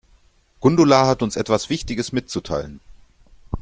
Gundula hat uns etwas wichtiges mitzuteilen.